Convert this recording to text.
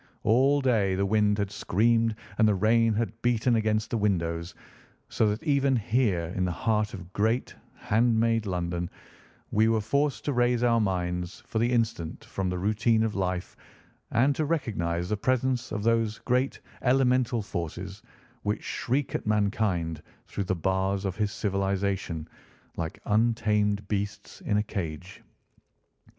All day the wind had screamed and the rain had beaten against the windows, so that even here in the heart of great, hand made London we were forced to raise our minds for the instant from the routine of life and to recognise the presence of those great elemental forces which shriek at mankind through the bars of his civilisation, like untamed beasts in a cage.